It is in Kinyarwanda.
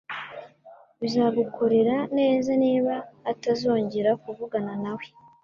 Bizagukorera neza niba atazongera kuvugana nawe.